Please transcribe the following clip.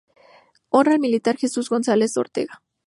Honra al militar Jesús González Ortega.